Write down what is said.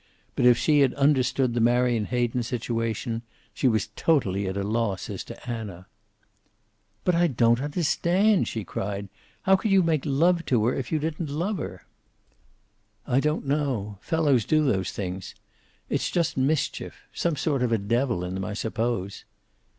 But if she had understood the Marion Hayden situation, she was totally at a loss as to Anna. "But I don't understand!" she cried. "How could you make love to her if you didn't love her?" "I don't know. Fellows do those things. It's just mischief some sort of a devil in them, I suppose."